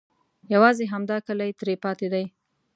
یوازې همدا کلی ترې پاتې دی.